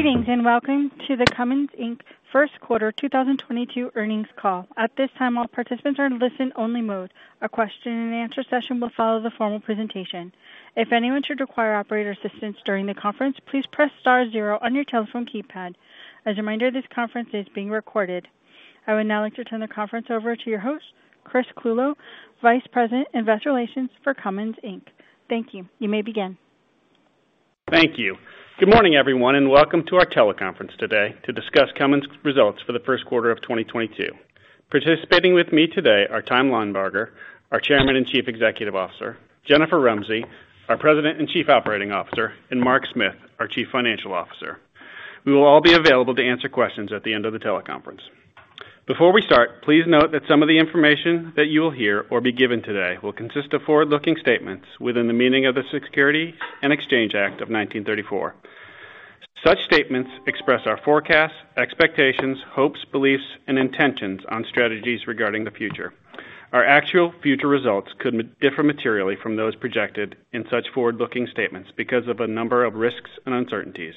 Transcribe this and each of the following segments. Greetings, and welcome to the Cummins Inc. first quarter 2022 earnings call. At this time, all participants are in listen-only mode. A question and answer session will follow the formal presentation. If anyone should require operator assistance during the conference, please press star zero on your telephone keypad. As a reminder, this conference is being recorded. I would now like to turn the conference over to your host, Chris Clulow, Vice President, Investor Relations for Cummins Inc. Thank you. You may begin. Thank you. Good morning, everyone, and welcome to our teleconference today to discuss Cummins' results for the first quarter of 2022. Participating with me today are Tom Linebarger, our Chairman and Chief Executive Officer, Jennifer Rumsey, our President and Chief Operating Officer, and Mark Smith, our Chief Financial Officer. We will all be available to answer questions at the end of the teleconference. Before we start, please note that some of the information that you will hear or be given today will consist of forward-looking statements within the meaning of the Securities and Exchange Act of 1934. Such statements express our forecasts, expectations, hopes, beliefs, and intentions on strategies regarding the future. Our actual future results could differ materially from those projected in such forward-looking statements because of a number of risks and uncertainties.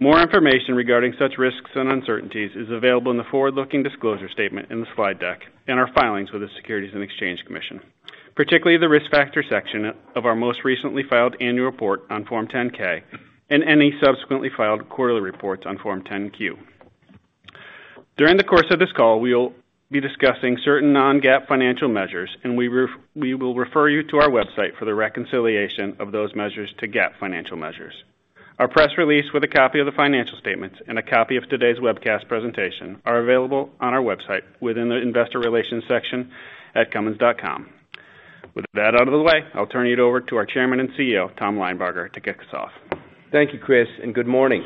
More information regarding such risks and uncertainties is available in the forward-looking disclosure statement in the slide deck and our filings with the Securities and Exchange Commission, particularly the Risk Factors section of our most recently filed annual report on Form 10-K and any subsequently filed quarterly reports on Form 10-Q. During the course of this call, we will be discussing certain non-GAAP financial measures, and we will refer you to our website for the reconciliation of those measures to GAAP financial measures. Our press release with a copy of the financial statements and a copy of today's webcast presentation are available on our website within the Investor Relations section at cummins.com. With that out of the way, I'll turn it over to our Chairman and CEO, Tom Linebarger, to kick us off. Thank you, Chris, and good morning.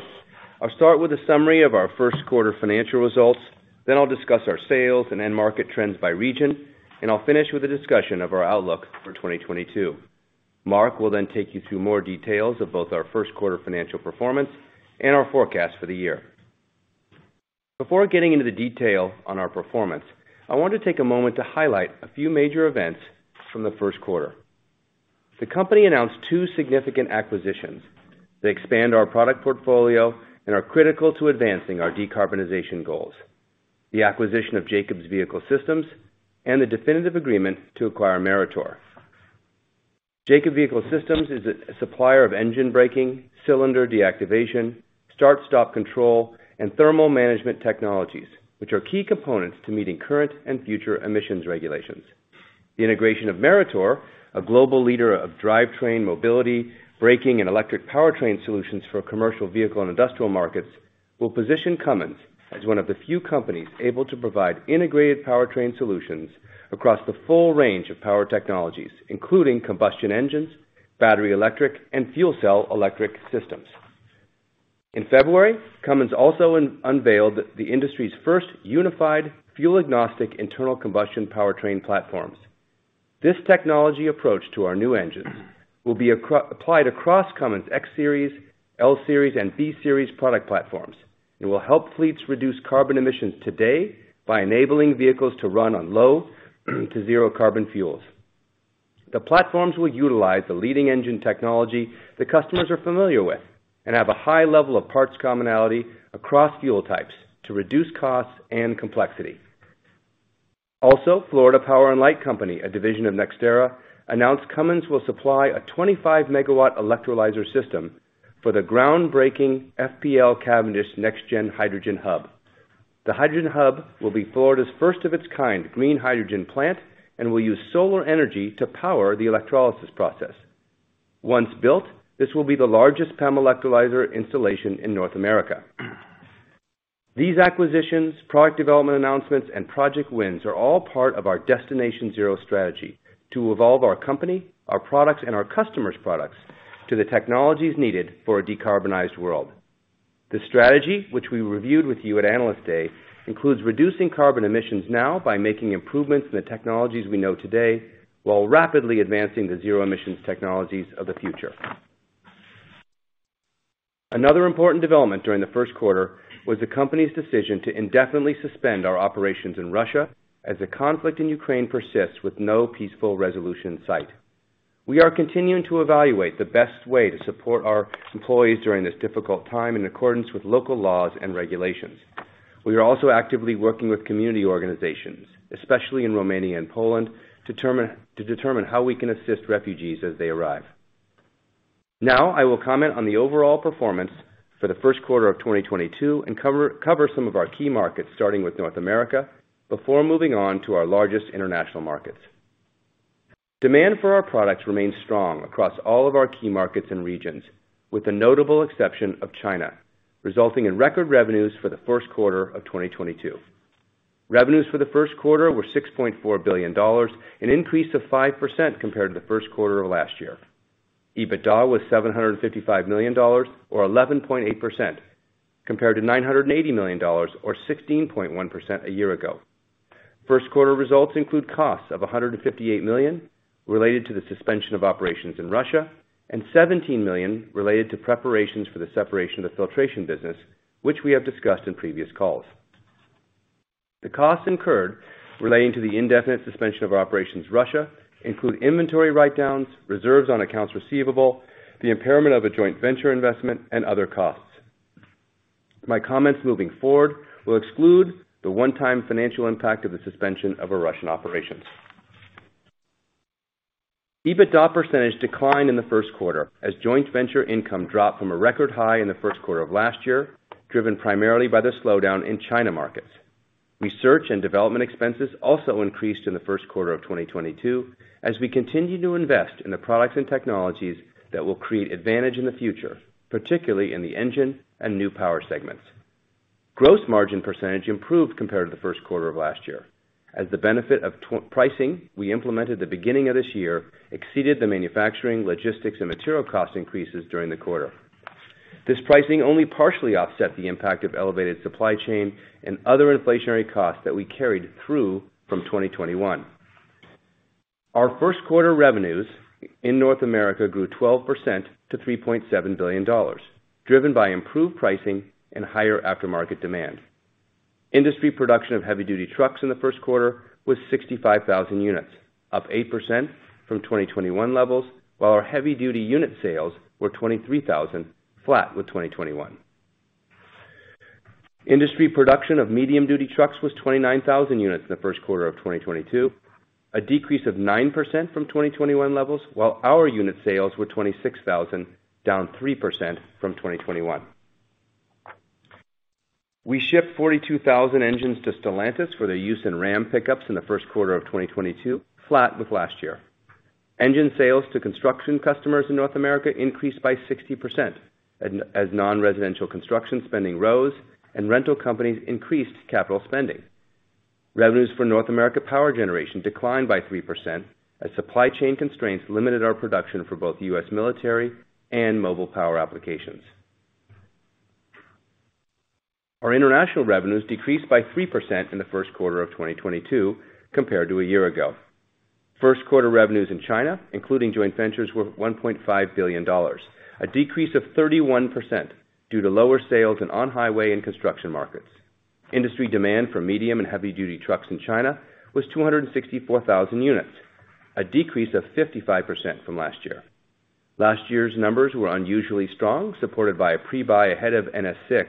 I'll start with a summary of our first quarter financial results, then I'll discuss our sales and end market trends by region, and I'll finish with a discussion of our outlook for 2022. Mark will then take you through more details of both our first quarter financial performance and our forecast for the year. Before getting into the detail on our performance, I want to take a moment to highlight a few major events from the first quarter. The company announced two significant acquisitions. They expand our product portfolio and are critical to advancing our decarbonization goals. The acquisition of Jacobs Vehicle Systems and the definitive agreement to acquire Meritor. Jacobs Vehicle Systems is a supplier of engine braking, cylinder deactivation, start-stop control, and thermal management technologies, which are key components to meeting current and future emissions regulations. The integration of Meritor, a global leader of drivetrain mobility, braking, and electric powertrain solutions for commercial vehicle and industrial markets, will position Cummins as one of the few companies able to provide integrated powertrain solutions across the full range of power technologies, including combustion engines, battery, electric, and fuel cell electric systems. In February, Cummins also unveiled the industry's first unified fuel-agnostic internal combustion powertrain platforms. This technology approach to our new engines will be applied across Cummins X-Series, L-Series, and B-Series product platforms. It will help fleets reduce carbon emissions today by enabling vehicles to run on low to zero carbon fuels. The platforms will utilize the leading engine technology that customers are familiar with and have a high level of parts commonality across fuel types to reduce costs and complexity. Florida Power & Light Company, a division of NextEra, announced Cummins will supply a 25-megawatt electrolyzer system for the groundbreaking FPL Cavendish NextGen Hydrogen Hub. The Hydrogen Hub will be Florida's first of its kind green hydrogen plant and will use solar energy to power the electrolysis process. Once built, this will be the largest PEM electrolyzer installation in North America. These acquisitions, product development announcements, and project wins are all part of our Destination Zero strategy to evolve our company, our products, and our customers' products to the technologies needed for a decarbonized world. The strategy, which we reviewed with you at Analyst Day, includes reducing carbon emissions now by making improvements in the technologies we know today, while rapidly advancing the zero-emissions technologies of the future. Another important development during the first quarter was the company's decision to indefinitely suspend our operations in Russia as the conflict in Ukraine persists with no peaceful resolution in sight. We are continuing to evaluate the best way to support our employees during this difficult time in accordance with local laws and regulations. We are also actively working with community organizations, especially in Romania and Poland, to determine how we can assist refugees as they arrive. Now, I will comment on the overall performance for the first quarter of 2022 and cover some of our key markets, starting with North America, before moving on to our largest international markets. Demand for our products remains strong across all of our key markets and regions, with the notable exception of China, resulting in record revenues for the first quarter of 2022. Revenues for the first quarter were $6.4 billion, an increase of 5% compared to the first quarter of last year. EBITDA was $755 million or 11.8%, compared to $980 million or 16.1% a year ago. First quarter results include costs of $158 million related to the suspension of operations in Russia and $17 million related to preparations for the separation of the filtration business, which we have discussed in previous calls. The costs incurred relating to the indefinite suspension of our operations in Russia include inventory write-downs, reserves on accounts receivable, the impairment of a joint venture investment, and other costs. My comments moving forward will exclude the one-time financial impact of the suspension of our Russian operations. EBITDA percentage declined in the first quarter as joint venture income dropped from a record high in the first quarter of last year, driven primarily by the slowdown in China markets. Research and development expenses also increased in the first quarter of 2022 as we continue to invest in the products and technologies that will create advantage in the future, particularly in the engine and new power segments. Gross margin percentage improved compared to the first quarter of last year, as the benefit of the pricing we implemented at the beginning of this year exceeded the manufacturing, logistics, and material cost increases during the quarter. This pricing only partially offset the impact of elevated supply chain and other inflationary costs that we carried through from 2021. Our first quarter revenues in North America grew 12% to $3.7 billion, driven by improved pricing and higher aftermarket demand. Industry production of heavy-duty trucks in the first quarter was 65,000 units, up 8% from 2021 levels, while our heavy-duty unit sales were 23,000, flat with 2021. Industry production of medium-duty trucks was 29,000 units in the first quarter of 2022, a decrease of 9% from 2021 levels, while our unit sales were 26,000, down 3% from 2021. We shipped 42,000 engines to Stellantis for their use in Ram pickups in the first quarter of 2022, flat with last year. Engine sales to construction customers in North America increased by 60% as non-residential construction spending rose and rental companies increased capital spending. Revenues for North America power generation declined by 3% as supply chain constraints limited our production for both U.S. military and mobile power applications. Our international revenues decreased by 3% in the first quarter of 2022 compared to a year ago. First quarter revenues in China, including joint ventures, were $1.5 billion, a decrease of 31% due to lower sales in on-highway and construction markets. Industry demand for medium and heavy-duty trucks in China was 264,000 units, a decrease of 55% from last year. Last year's numbers were unusually strong, supported by a pre-buy ahead of NS VI,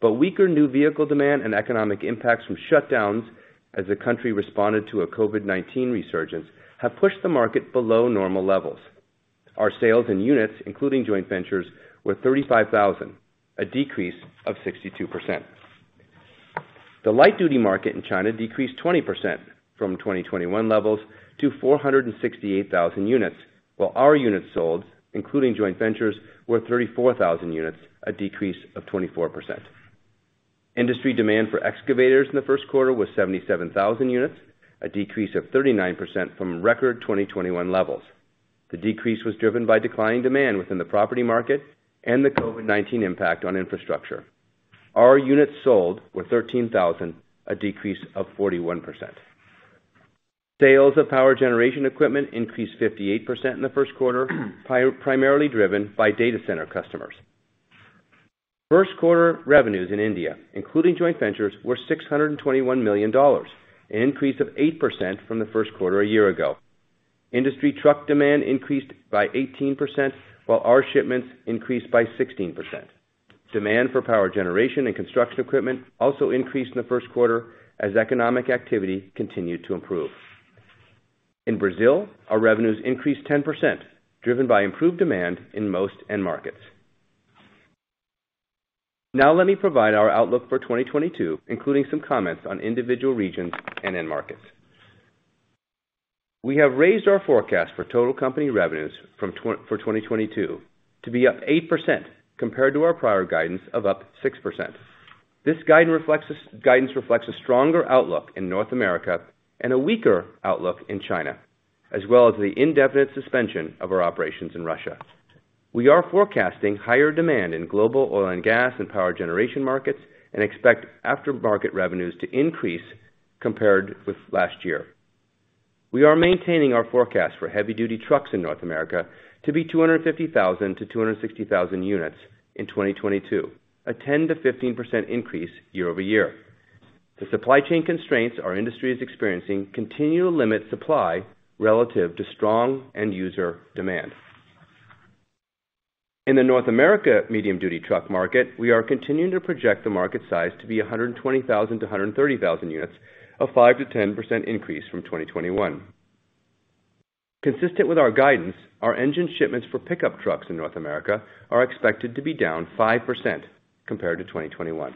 but weaker new vehicle demand and economic impacts from shutdowns as the country responded to a COVID-19 resurgence have pushed the market below normal levels. Our sales and units, including joint ventures, were 35,000, a decrease of 62%. The light-duty market in China decreased 20% from 2021 levels to 468,000 units, while our units sold, including joint ventures, were 34,000 units, a decrease of 24%. Industry demand for excavators in the first quarter was 77,000 units, a decrease of 39% from record 2021 levels. The decrease was driven by declining demand within the property market and the COVID-19 impact on infrastructure. Our units sold were 13,000, a decrease of 41%. Sales of power generation equipment increased 58% in the first quarter, primarily driven by data center customers. First quarter revenues in India, including joint ventures, were $621 million, an increase of 8% from the first quarter a year ago. Industry truck demand increased by 18%, while our shipments increased by 16%. Demand for power generation and construction equipment also increased in the first quarter as economic activity continued to improve. In Brazil, our revenues increased 10%, driven by improved demand in most end markets. Now let me provide our outlook for 2022, including some comments on individual regions and end markets. We have raised our forecast for total company revenues for 2022 to be up 8% compared to our prior guidance of up 6%. This guidance reflects a stronger outlook in North America and a weaker outlook in China, as well as the indefinite suspension of our operations in Russia. We are forecasting higher demand in global oil and gas and power generation markets and expect aftermarket revenues to increase compared with last year. We are maintaining our forecast for heavy-duty trucks in North America to be 250,000-260,000 units in 2022, a 10%-15% increase year over year. The supply chain constraints our industry is experiencing continue to limit supply relative to strong end user demand. In the North America medium-duty truck market, we are continuing to project the market size to be 120,000-130,000 units, a 5%-10% increase from 2021. Consistent with our guidance, our engine shipments for pickup trucks in North America are expected to be down 5% compared to 2021.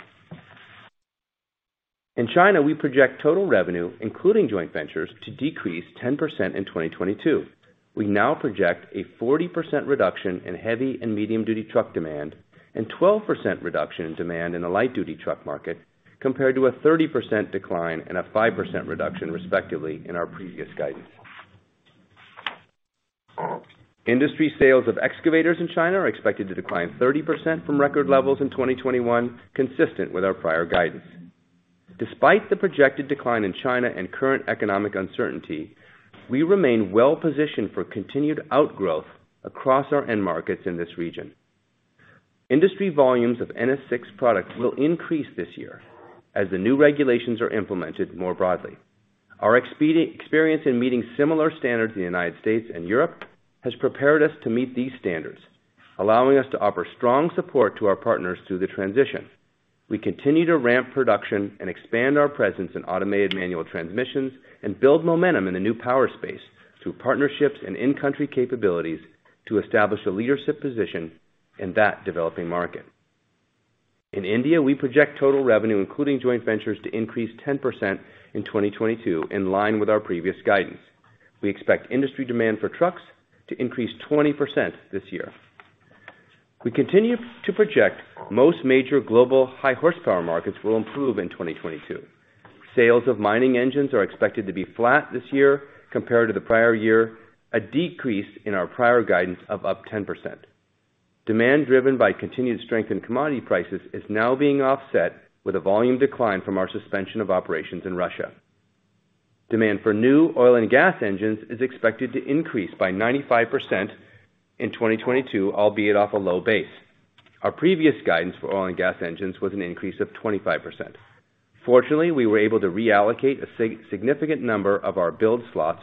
In China, we project total revenue, including joint ventures, to decrease 10% in 2022. We now project a 40% reduction in heavy and medium-duty truck demand and 12% reduction in demand in the light-duty truck market, compared to a 30% decline and a 5% reduction, respectively, in our previous guidance. Industry sales of excavators in China are expected to decline 30% from record levels in 2021, consistent with our prior guidance. Despite the projected decline in China and current economic uncertainty, we remain well positioned for continued outgrowth across our end markets in this region. Industry volumes of NS VI products will increase this year as the new regulations are implemented more broadly. Our experience in meeting similar standards in the United States and Europe has prepared us to meet these standards, allowing us to offer strong support to our partners through the transition. We continue to ramp production and expand our presence in automated manual transmissions and build momentum in the new power space through partnerships and in-country capabilities to establish a leadership position in that developing market. In India, we project total revenue, including joint ventures, to increase 10% in 2022, in line with our previous guidance. We expect industry demand for trucks to increase 20% this year. We continue to project most major global high horsepower markets will improve in 2022. Sales of mining engines are expected to be flat this year compared to the prior year, a decrease in our prior guidance of up 10%. Demand driven by continued strength in commodity prices is now being offset with a volume decline from our suspension of operations in Russia. Demand for new oil and gas engines is expected to increase by 95% in 2022, albeit off a low base. Our previous guidance for oil and gas engines was an increase of 25%. Fortunately, we were able to reallocate a significant number of our build slots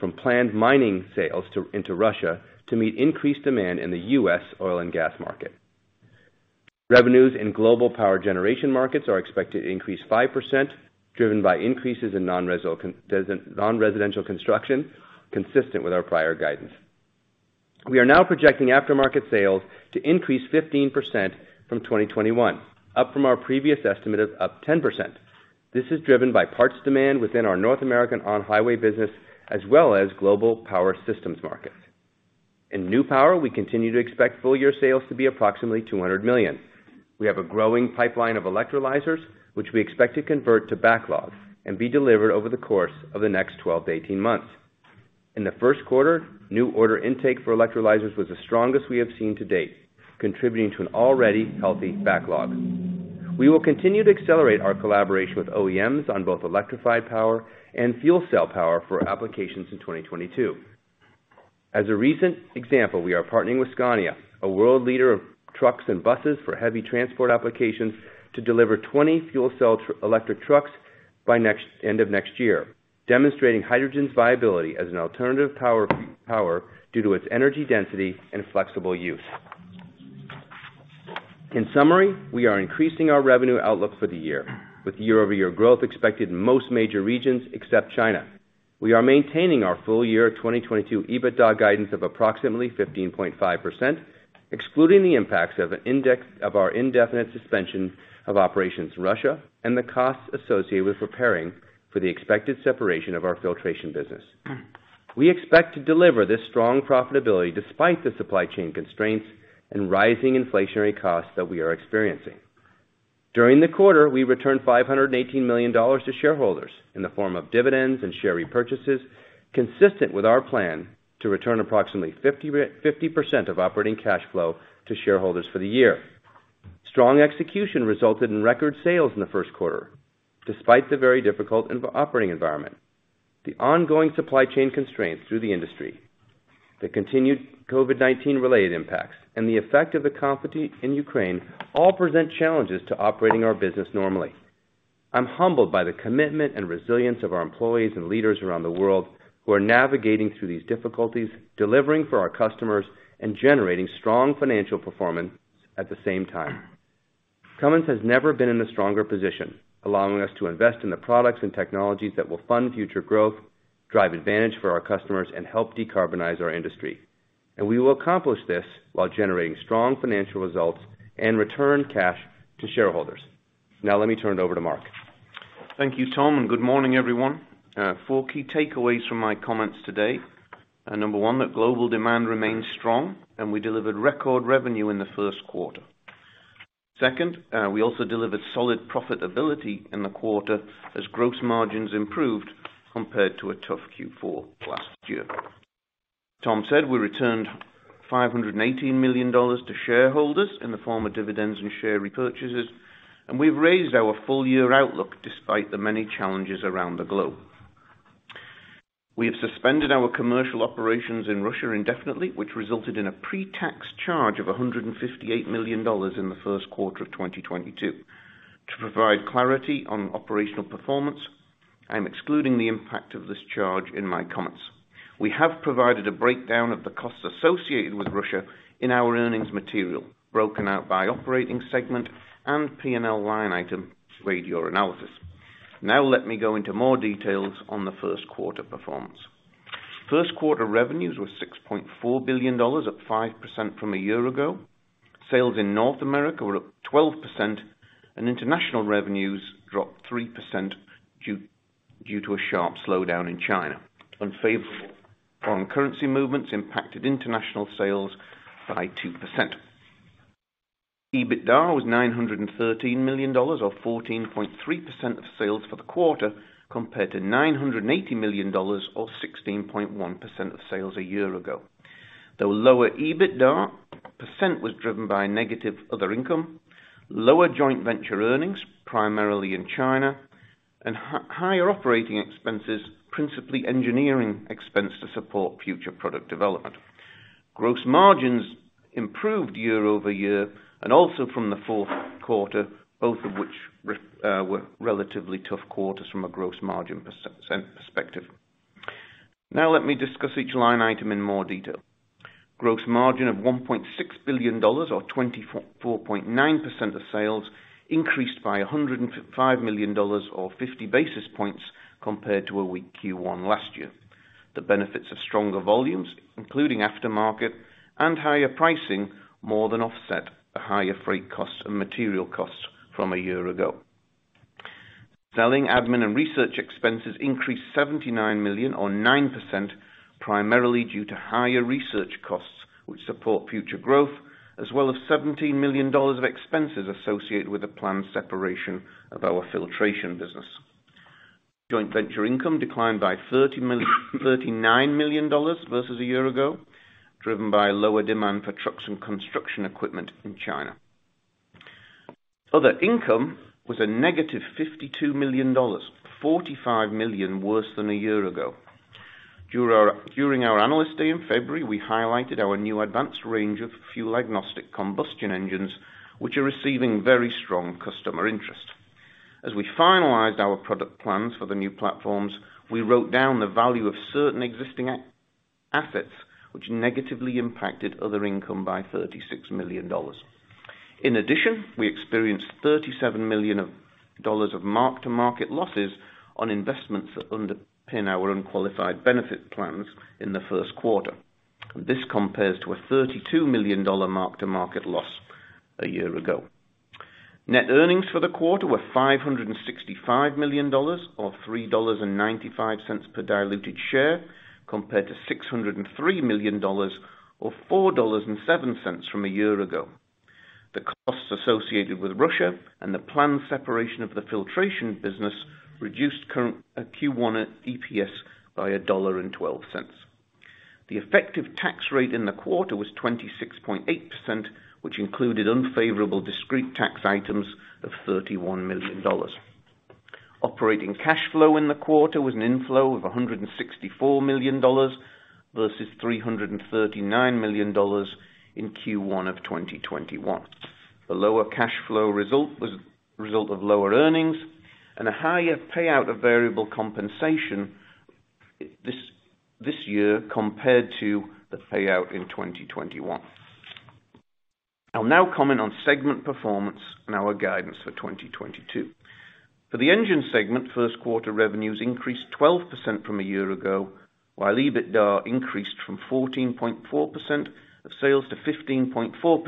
from planned mining sales into Russia to meet increased demand in the U.S. oil and gas market. Revenues in global power generation markets are expected to increase 5% driven by increases in non-residential construction consistent with our prior guidance. We are now projecting aftermarket sales to increase 15% from 2021, up from our previous estimate of up 10%. This is driven by parts demand within our North American on-highway business as well as global power systems markets. In new power, we continue to expect full year sales to be approximately $200 million. We have a growing pipeline of electrolyzers, which we expect to convert to backlog and be delivered over the course of the next 12-18 months. In the first quarter, new order intake for electrolyzers was the strongest we have seen to date, contributing to an already healthy backlog. We will continue to accelerate our collaboration with OEMs on both electrified power and fuel cell power for applications in 2022. As a recent example, we are partnering with Scania, a world leader of trucks and buses for heavy transport applications, to deliver 20 fuel cell electric trucks by end of next year, demonstrating hydrogen's viability as an alternative power due to its energy density and flexible use. In summary, we are increasing our revenue outlook for the year with year-over-year growth expected in most major regions except China. We are maintaining our full year 2022 EBITDA guidance of approximately 15.5%, excluding the impacts of our indefinite suspension of operations in Russia and the costs associated with preparing for the expected separation of our filtration business. We expect to deliver this strong profitability despite the supply chain constraints and rising inflationary costs that we are experiencing. During the quarter, we returned $518 million to shareholders in the form of dividends and share repurchases, consistent with our plan to return approximately 50% of operating cash flow to shareholders for the year. Strong execution resulted in record sales in the first quarter, despite the very difficult operating environment. The ongoing supply chain constraints through the industry, the continued COVID-19 related impacts, and the effect of the conflict in Ukraine all present challenges to operating our business normally. I'm humbled by the commitment and resilience of our employees and leaders around the world who are navigating through these difficulties, delivering for our customers, and generating strong financial performance at the same time. Cummins has never been in a stronger position, allowing us to invest in the products and technologies that will fund future growth, drive advantage for our customers, and help decarbonize our industry. We will accomplish this while generating strong financial results and return cash to shareholders. Now let me turn it over to Mark. Thank you, Tom, and good morning, everyone. Four key takeaways from my comments today. Number one, that global demand remains strong and we delivered record revenue in the first quarter. Second, we also delivered solid profitability in the quarter as gross margins improved compared to a tough Q4 last year. Tom said we returned $518 million to shareholders in the form of dividends and share repurchases, and we've raised our full year outlook despite the many challenges around the globe. We have suspended our commercial operations in Russia indefinitely, which resulted in a pre-tax charge of $158 million in the first quarter of 2022. To provide clarity on operational performance, I'm excluding the impact of this charge in my comments. We have provided a breakdown of the costs associated with Russia in our earnings material broken out by operating segment and P&L line item to aid your analysis. Now let me go into more details on the first quarter performance. First quarter revenues were $6.4 billion, up 5% from a year ago. Sales in North America were up 12% and international revenues dropped 3% due to a sharp slowdown in China. Unfavorable foreign currency movements impacted international sales by 2%. EBITDA was $913 million, or 14.3% of sales for the quarter, compared to $980 million or 16.1% of sales a year ago. The lower EBITDA percent was driven by negative other income, lower joint venture earnings, primarily in China. Higher operating expenses, principally engineering expense to support future product development. Gross margins improved year-over-year, and also from the fourth quarter, both of which were relatively tough quarters from a gross margin percent perspective. Now, let me discuss each line item in more detail. Gross margin of $1.6 billion or 24.9% of sales increased by $105 million or 50 basis points compared to a weak Q1 last year. The benefits of stronger volumes, including aftermarket and higher pricing, more than offset the higher freight costs and material costs from a year ago. Selling, admin, and research expenses increased $79 million or 9%, primarily due to higher research costs, which support future growth, as well as $70 million of expenses associated with the planned separation of our filtration business. Joint venture income declined by $39 million versus a year ago, driven by lower demand for trucks and construction equipment in China. Other income was a negative $52 million, $45 million worse than a year ago. During our Analyst Day in February, we highlighted our new advanced range of fuel agnostic combustion engines, which are receiving very strong customer interest. As we finalized our product plans for the new platforms, we wrote down the value of certain existing assets which negatively impacted other income by $36 million. In addition, we experienced $37 million of mark-to-market losses on investments that underpin our unqualified benefit plans in the first quarter. This compares to a $32 million mark-to-market loss a year ago. Net earnings for the quarter were $565 million or $3.95 per diluted share, compared to $603 million or $4.07 from a year ago. The costs associated with Russia and the planned separation of the filtration business reduced current Q1 EPS by $1.12. The effective tax rate in the quarter was 26.8%, which included unfavorable discrete tax items of $31 million. Operating cash flow in the quarter was an inflow of $164 million versus $339 million in Q1 of 2021. The lower cash flow result was a result of lower earnings and a higher payout of variable compensation this year compared to the payout in 2021. I'll now comment on segment performance and our guidance for 2022. For the engine segment, first quarter revenues increased 12% from a year ago, while EBITDA increased from 14.4% of sales to 15.4%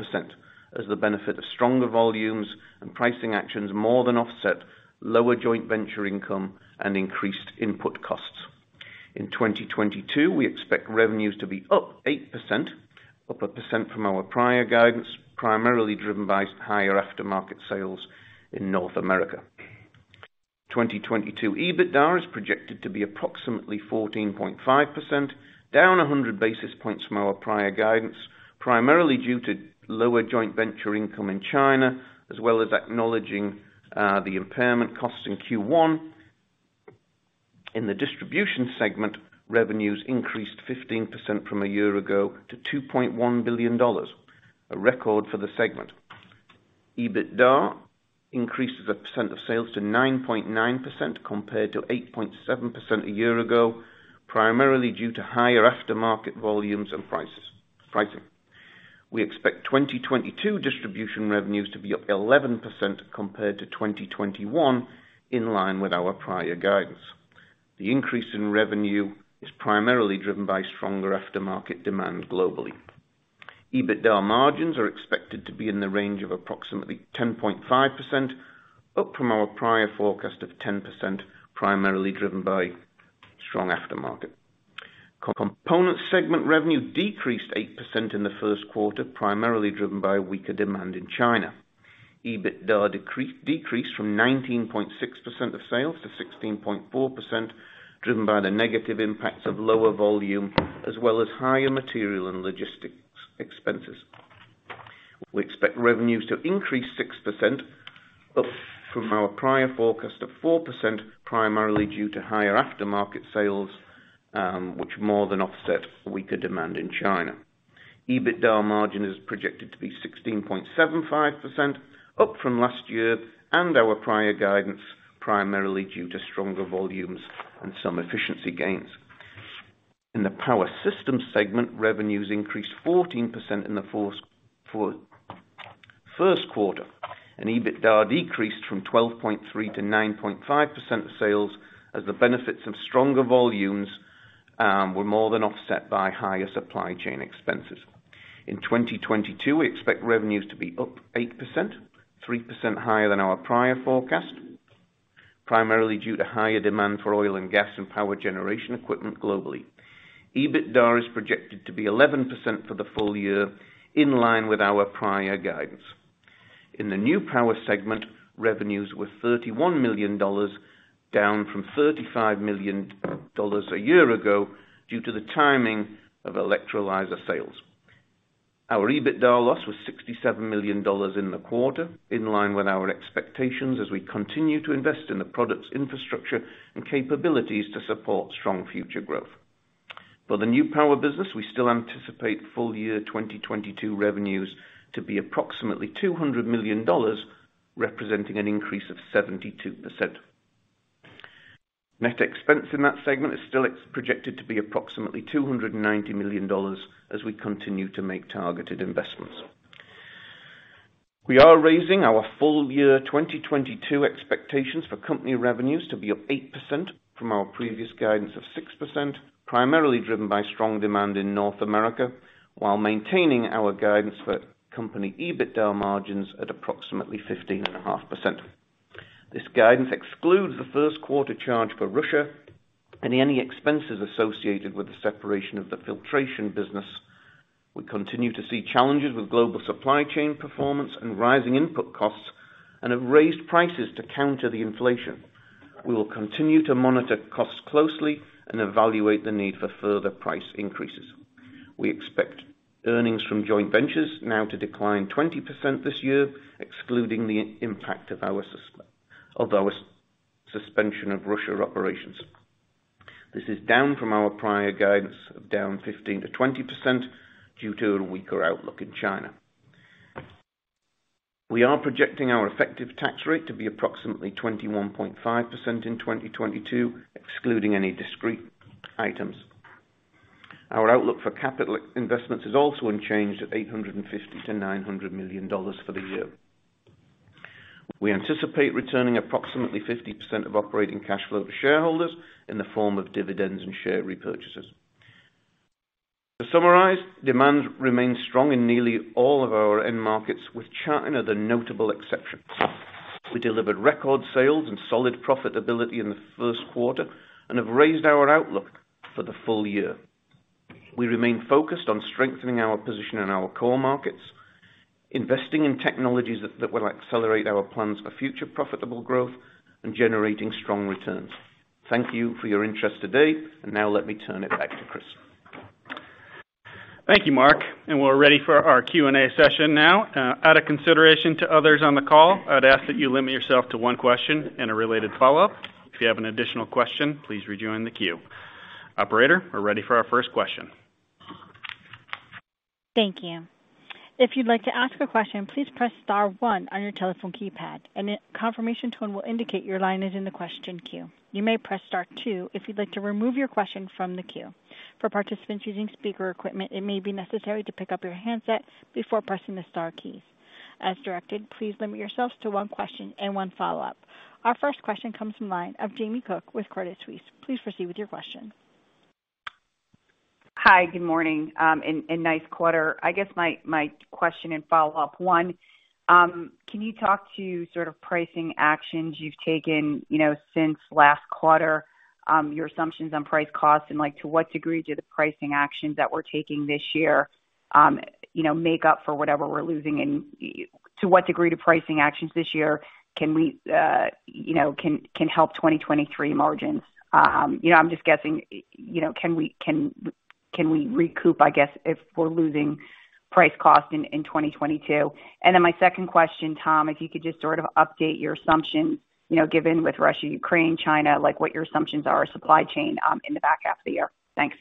as the benefit of stronger volumes and pricing actions more than offset lower joint venture income and increased input costs. In 2022, we expect revenues to be up 8%, up 1% from our prior guidance, primarily driven by higher aftermarket sales in North America. 2022 EBITDA is projected to be approximately 14.5%, down 100 basis points from our prior guidance, primarily due to lower joint venture income in China, as well as acknowledging the impairment costs in Q1. In the distribution segment, revenues increased 15% from a year ago to $2.1 billion, a record for the segment. EBITDA increased as a percent of sales to 9.9% compared to 8.7% a year ago, primarily due to higher aftermarket volumes and prices-pricing. We expect 2022 distribution revenues to be up 11% compared to 2021, in line with our prior guidance. The increase in revenue is primarily driven by stronger aftermarket demand globally. EBITDA margins are expected to be in the range of approximately 10.5%, up from our prior forecast of 10%, primarily driven by strong aftermarket. Component segment revenue decreased 8% in the first quarter, primarily driven by weaker demand in China. EBITDA decreased from 19.6% of sales to 16.4%, driven by the negative impacts of lower volume as well as higher material and logistics expenses. We expect revenues to increase 6% up from our prior forecast of 4%, primarily due to higher aftermarket sales, which more than offset weaker demand in China. EBITDA margin is projected to be 16.75% up from last year and our prior guidance primarily due to stronger volumes and some efficiency gains. In the power systems segment, revenues increased 14% in the first quarter and EBITDA decreased from 12.3% to 9.5% of sales as the benefits of stronger volumes were more than offset by higher supply chain expenses. In 2022, we expect revenues to be up 8%, 3% higher than our prior forecast, primarily due to higher demand for oil and gas and power generation equipment globally. EBITDA is projected to be 11% for the full year, in line with our prior guidance. In the new power segment, revenues were $31 million, down from $35 million a year ago, due to the timing of electrolyzer sales. Our EBITDA loss was $67 million in the quarter, in line with our expectations as we continue to invest in the products, infrastructure, and capabilities to support strong future growth. For the new power business, we still anticipate full year 2022 revenues to be approximately $200 million, representing an increase of 72%. Net expense in that segment is still expected to be approximately $290 million as we continue to make targeted investments. We are raising our full year 2022 expectations for company revenues to be up 8% from our previous guidance of 6%, primarily driven by strong demand in North America, while maintaining our guidance for company EBITDA margins at approximately 15.5%. This guidance excludes the first quarter charge for Russia and any expenses associated with the separation of the filtration business. We continue to see challenges with global supply chain performance and rising input costs and have raised prices to counter the inflation. We will continue to monitor costs closely and evaluate the need for further price increases. We expect earnings from joint ventures now to decline 20% this year, excluding the impact of our suspension of Russia operations. This is down from our prior guidance of down 15%-20% due to a weaker outlook in China. We are projecting our effective tax rate to be approximately 21.5% in 2022, excluding any discrete items. Our outlook for capital expenditures is also unchanged at $850 million-$900 million for the year. We anticipate returning approximately 50% of operating cash flow to shareholders in the form of dividends and share repurchases. To summarize, demand remains strong in nearly all of our end markets, with China the notable exception. We delivered record sales and solid profitability in the first quarter and have raised our outlook for the full year. We remain focused on strengthening our position in our core markets, investing in technologies that will accelerate our plans for future profitable growth and generating strong returns. Thank you for your interest today. Now let me turn it back to Chris. Thank you, Mark. We're ready for our Q&A session now. Out of consideration to others on the call, I'd ask that you limit yourself to one question and a related follow-up. If you have an additional question, please rejoin the queue. Operator, we're ready for our first question. Thank you. If you'd like to ask a question, please press star one on your telephone keypad, and a confirmation tone will indicate your line is in the question queue. You may press star two if you'd like to remove your question from the queue. For participants using speaker equipment, it may be necessary to pick up your handset before pressing the star keys. As directed, please limit yourselves to one question and one follow-up. Our first question comes from line of Jamie Cook with Credit Suisse. Please proceed with your question. Hi, good morning, nice quarter. I guess my question and follow-up, one, can you talk to sort of pricing actions you've taken, you know, since last quarter, your assumptions on price costs and, like, to what degree do the pricing actions that we're taking this year, you know, make up for whatever we're losing to what degree do pricing actions this year can we, you know, can help 2023 margins? You know, I'm just guessing, you know, can we recoup, I guess, if we're losing price cost in 2022? Then my second question, Tom, if you could just sort of update your assumptions, you know, given with Russia, Ukraine, China, like what your assumptions are of supply chain in the back half of the year. Thanks.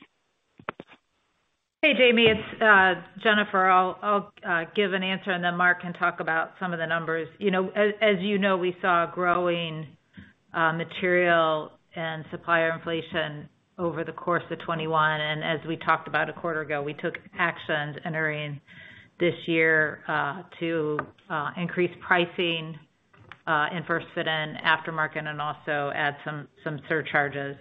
Hey, Jamie, it's Jennifer. I'll give an answer, and then Mark can talk about some of the numbers. You know, as you know, we saw growing material and supplier inflation over the course of 2021. As we talked about a quarter ago, we took action entering this year to increase pricing in first fit and aftermarket, and also add some surcharges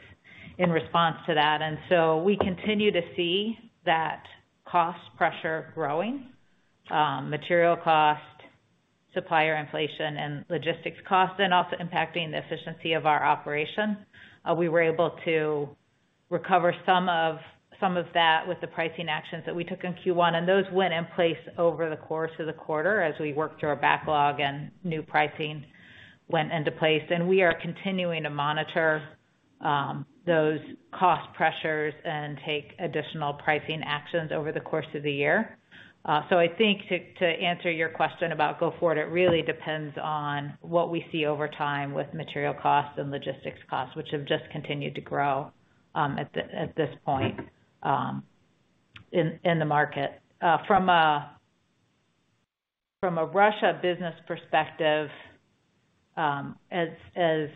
in response to that. We continue to see that cost pressure growing, material cost, supplier inflation, and logistics costs, and also impacting the efficiency of our operation. We were able to recover some of that with the pricing actions that we took in Q1, and those went in place over the course of the quarter as we worked through our backlog and new pricing went into place. We are continuing to monitor those cost pressures and take additional pricing actions over the course of the year. I think to answer your question about going forward, it really depends on what we see over time with material costs and logistics costs, which have just continued to grow at this point in the market. From a Russia business perspective, as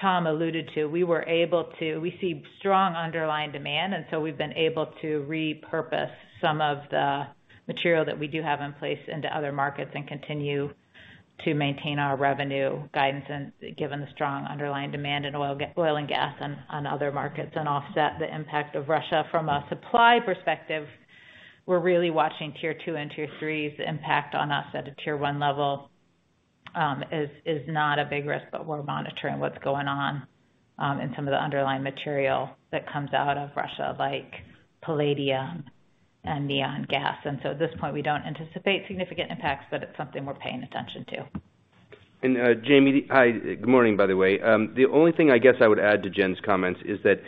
Tom alluded to, we see strong underlying demand, and we've been able to repurpose some of the material that we do have in place into other markets and continue to maintain our revenue guidance, given the strong underlying demand in oil and gas on other markets and offset the impact of Russia. From a supply perspective, we're really watching tier two and tier threes. The impact on us at a tier one level is not a big risk, but we're monitoring what's going on in some of the underlying material that comes out of Russia, like palladium and neon gas. At this point, we don't anticipate significant impacts, but it's something we're paying attention to. Jamie, hi, good morning, by the way. The only thing I guess I would add to Jen's comments is that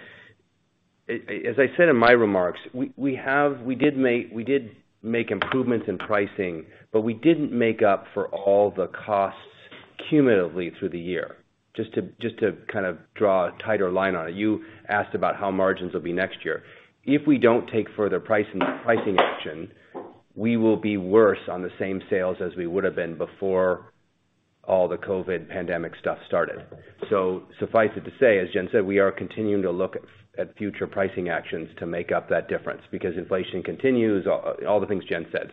as I said in my remarks, we did make improvements in pricing, but we didn't make up for all the costs cumulatively through the year. Just to kind of draw a tighter line on it. You asked about how margins will be next year. If we don't take further pricing action, we will be worse on the same sales as we would have been before all the COVID pandemic stuff started. Suffice it to say, as Jen said, we are continuing to look at future pricing actions to make up that difference because inflation continues, all the things Jen said.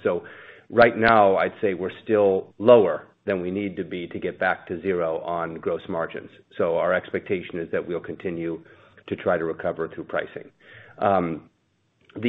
Right now, I'd say we're still lower than we need to be to get back to zero on gross margins. Our expectation is that we'll continue to try to recover through pricing. As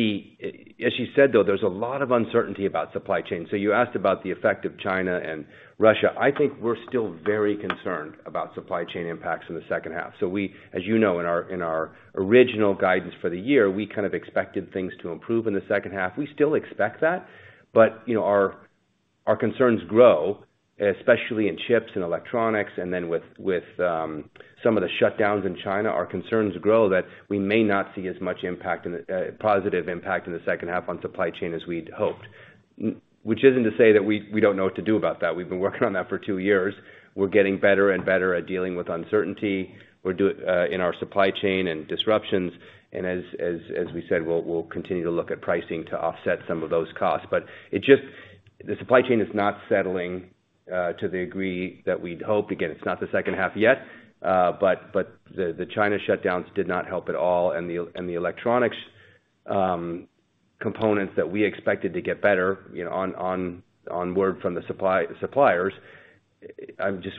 she said, though, there's a lot of uncertainty about supply chain. You asked about the effect of China and Russia. I think we're still very concerned about supply chain impacts in the second half. We, as you know, in our original guidance for the year, we kind of expected things to improve in the second half. We still expect that, but, you know, our concerns grow, especially in chips and electronics, and then with some of the shutdowns in China. Our concerns grow that we may not see as much positive impact in the second half on supply chain as we'd hoped, which isn't to say that we don't know what to do about that. We've been working on that for two years. We're getting better and better at dealing with uncertainty in our supply chain and disruptions. As we said, we'll continue to look at pricing to offset some of those costs. It just, the supply chain is not settling to the degree that we'd hoped. Again, it's not the second half yet, but the China shutdowns did not help at all. The electronics components that we expected to get better, you know, onward from the suppliers,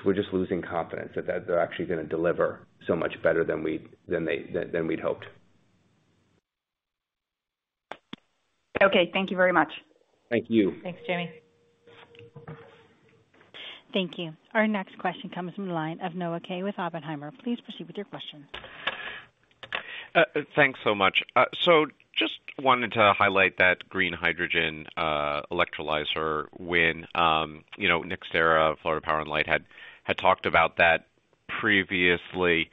we're just losing confidence that they're actually gonna deliver so much better than we'd hoped. Okay, thank you very much. Thank you. Thanks, Jamie. Thank you. Our next question comes from the line of Noah Kaye with Oppenheimer. Please proceed with your question. Thanks so much. Just wanted to highlight that green hydrogen electrolyzer win. You know, NextEra, Florida Power & Light had talked about that previously.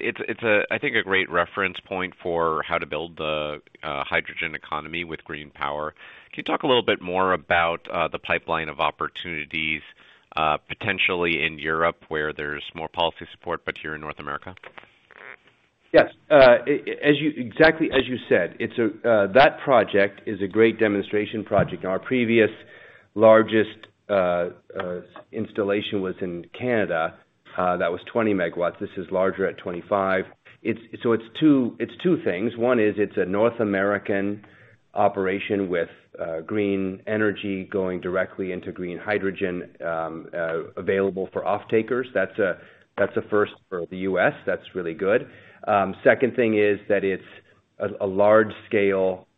It's a great reference point for how to build the hydrogen economy with green power. Can you talk a little bit more about the pipeline of opportunities potentially in Europe, where there's more policy support, but here in North America? Yes. Exactly as you said, it's that project is a great demonstration project. Our previous largest installation was in Canada, that was 20 MW. This is larger at 25 MW. It's two things. One is it's a North American operation with green energy going directly into green hydrogen available for off-takers. That's a first for the U.S. That's really good. Second thing is that it's a large scale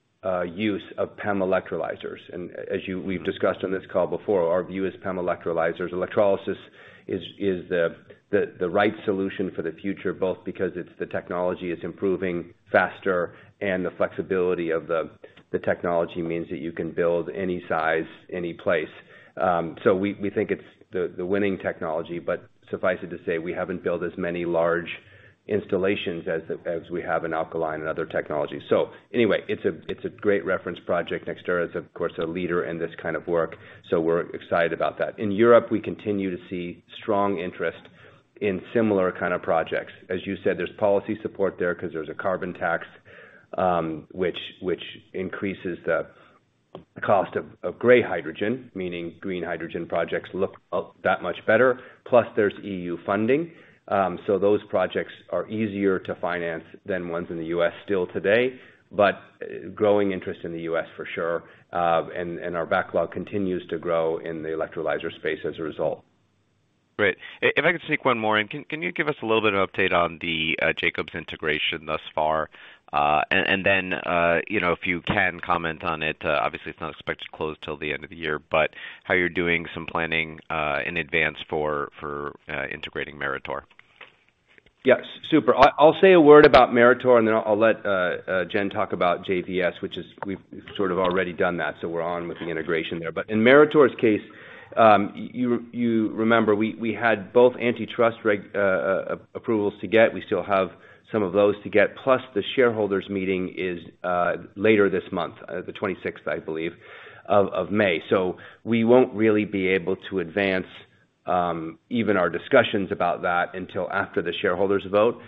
use of PEM electrolyzers. We've discussed on this call before, our view is PEM electrolyzers. Electrolysis is the right solution for the future, both because the technology is improving faster and the flexibility of the technology means that you can build any size, any place. We think it's the winning technology, but suffice it to say, we haven't built as many large installations as we have in alkaline and other technologies. Anyway, it's a great reference project. NextEra is, of course, a leader in this kind of work, so we're excited about that. In Europe, we continue to see strong interest in similar kind of projects. As you said, there's policy support there 'cause there's a carbon tax, which increases the cost of gray hydrogen, meaning green hydrogen projects look that much better. Plus there's EU funding. Those projects are easier to finance than ones in the U.S. still today, but growing interest in the U.S. for sure. Our backlog continues to grow in the electrolyzer space as a result. Great. If I can sneak one more in, can you give us a little bit of update on the Jacobs integration thus far? You know, if you can comment on it, obviously it's not expected to close till the end of the year, but how you're doing some planning in advance for integrating Meritor? Yeah. Super. I'll say a word about Meritor, and then I'll let Jen talk about JVS, which is we've sort of already done that, so we're on with the integration there. In Meritor's case, you remember we had both antitrust approvals to get. We still have some of those to get, plus the shareholders meeting is later this month, the 26th, I believe, of May. We won't really be able to advance even our discussions about that until after the shareholders vote.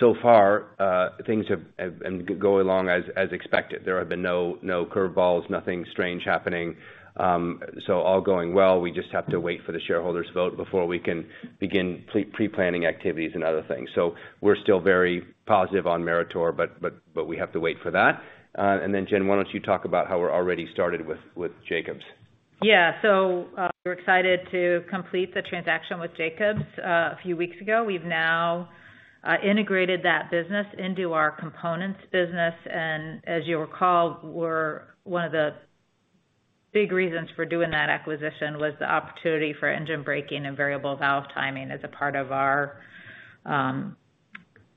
So far, things have been going along as expected. There have been no curve balls, nothing strange happening. All going well. We just have to wait for the shareholders vote before we can begin pre-planning activities and other things. We're still very positive on Meritor, but we have to wait for that. Jen, why don't you talk about how we're already started with Jacobs? Yeah. We're excited to complete the transaction with Jacobs a few weeks ago. We've now integrated that business into our components business. As you'll recall, one of the big reasons for doing that acquisition was the opportunity for engine braking and variable valve timing as a part of our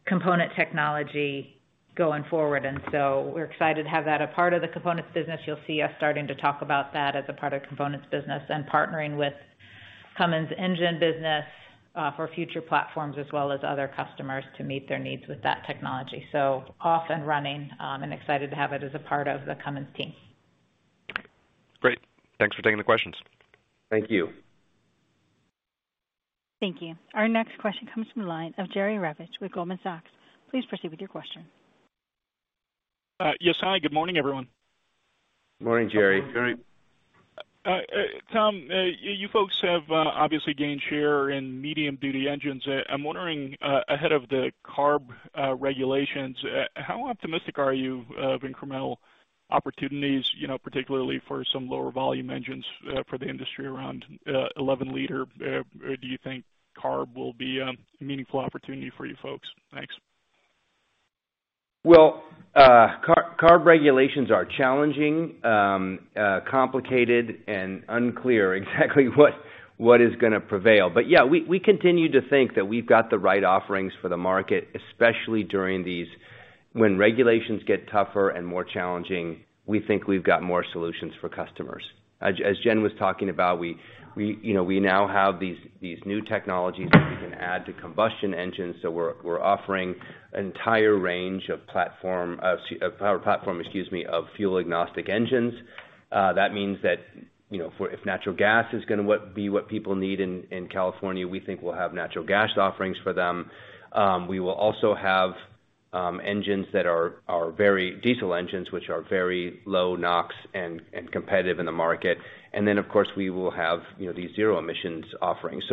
component technology going forward. We're excited to have that as a part of the components business. You'll see us starting to talk about that as a part of components business and partnering with Cummins engine business for future platforms, as well as other customers to meet their needs with that technology. Off and running, and excited to have it as a part of the Cummins team. Great. Thanks for taking the questions. Thank you. Thank you. Our next question comes from the line of Jerry Revich with Goldman Sachs. Please proceed with your question. Yes. Hi, good morning, everyone. Morning, Jerry. Tom, you folks have obviously gained share in medium-duty engines. I'm wondering ahead of the CARB regulations, how optimistic are you of incremental opportunities, you know, particularly for some lower volume engines for the industry around 11-liter? Do you think CARB will be a meaningful opportunity for you folks? Thanks. Well, CARB regulations are challenging, complicated and unclear exactly what is gonna prevail. Yeah, we continue to think that we've got the right offerings for the market, especially during these. When regulations get tougher and more challenging, we think we've got more solutions for customers. As Jen was talking about, you know, we now have these new technologies that we can add to combustion engines. We're offering an entire range of power platform, excuse me, of fuel-agnostic engines. That means that, you know, if natural gas is gonna be what people need in California, we think we'll have natural gas offerings for them. We will also have engines that are very diesel engines, which are very low NOx and competitive in the market. Of course, we will have, you know, these zero emissions offerings.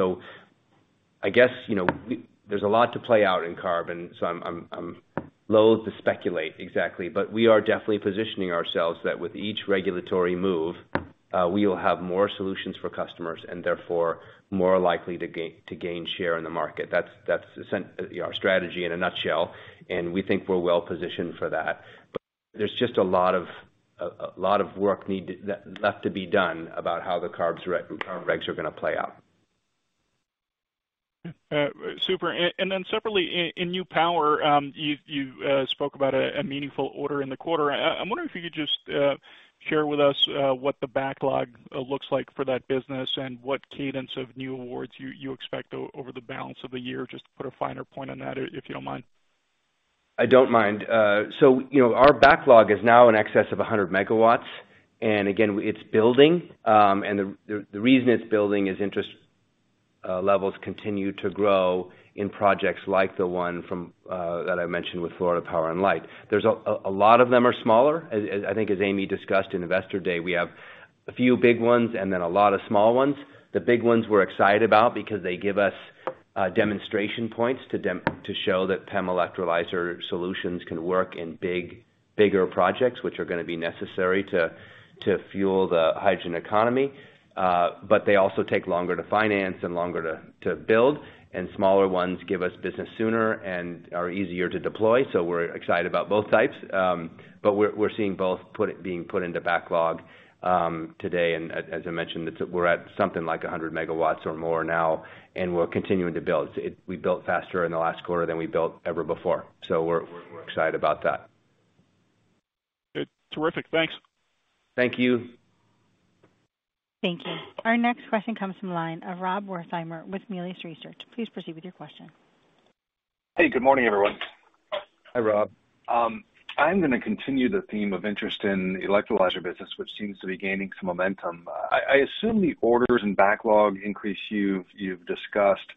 I guess, you know, there's a lot to play out in carbon. I'm loath to speculate exactly, but we are definitely positioning ourselves that with each regulatory move, we will have more solutions for customers and therefore more likely to gain share in the market. That's our strategy in a nutshell, and we think we're well positioned for that. There's just a lot of work left to be done about how the CARB regs are gonna play out. Super. Separately in new power, you spoke about a meaningful order in the quarter. I'm wondering if you could just share with us what the backlog looks like for that business and what cadence of new awards you expect over the balance of the year. Just to put a finer point on that, if you don't mind. I don't mind. You know, our backlog is now in excess of 100 megawatts, and again, it's building. The reason it's building is interest levels continue to grow in projects like the one from that I mentioned with Florida Power & Light. A lot of them are smaller. I think as Amy discussed in Investor Day, we have a few big ones and then a lot of small ones. The big ones we're excited about because they give us demonstration points to show that PEM electrolyzer solutions can work in bigger projects, which are gonna be necessary to fuel the hydrogen economy. They also take longer to finance and longer to build. Smaller ones give us business sooner and are easier to deploy. We're excited about both types. We're seeing both being put into backlog today. As I mentioned, we're at something like 100 megawatts or more now, and we're continuing to build. We built faster in the last quarter than we built ever before. We're excited about that. Good. Terrific. Thanks. Thank you. Thank you. Our next question comes from the line of Rob Wertheimer with Melius Research. Please proceed with your question. Hey, good morning, everyone. Hi, Rob. I'm gonna continue the theme of interest in the electrolyzer business, which seems to be gaining some momentum. I assume the orders and backlog increase you've discussed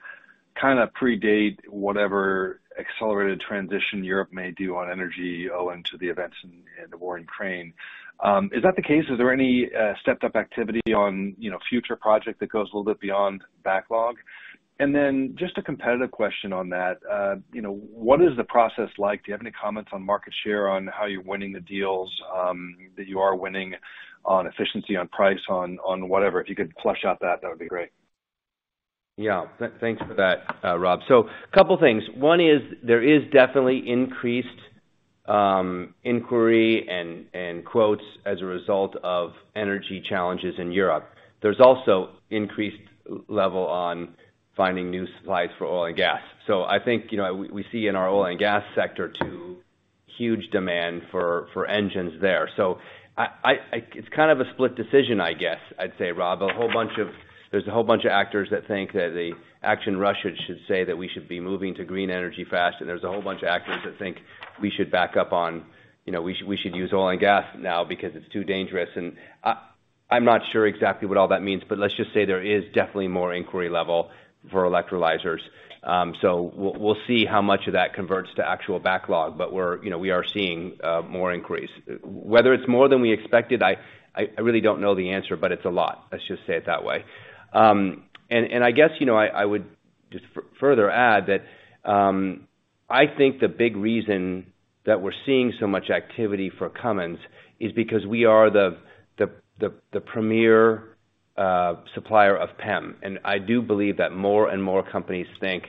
kinda predate whatever accelerated transition Europe may do on energy owing to the events in the war in Ukraine. Is that the case? Is there any stepped-up activity on, you know, future project that goes a little bit beyond backlog? Just a competitive question on that. You know, what is the process like? Do you have any comments on market share on how you're winning the deals that you are winning on efficiency, on price, on whatever? If you could flesh out that would be great. Yeah, thanks for that, Rob. A couple of things. One is there is definitely increased inquiry and quotes as a result of energy challenges in Europe. There's also increased level on finding new supplies for oil and gas. I think, you know, we see in our oil and gas sector too, huge demand for engines there. It's kind of a split decision, I guess I'd say, Rob. There's a whole bunch of actors that think that the administrations should say that we should be moving to green energy fast, and there's a whole bunch of actors that think we should back up on, you know, we should use oil and gas now because it's too dangerous. I'm not sure exactly what all that means, but let's just say there is definitely more inquiry level for electrolyzers. So we'll see how much of that converts to actual backlog. You know, we are seeing more inquiries. Whether it's more than we expected, I really don't know the answer, but it's a lot. Let's just say it that way. And I guess, you know, I would just further add that I think the big reason that we're seeing so much activity for Cummins is because we are the premier supplier of PEM. I do believe that more and more companies think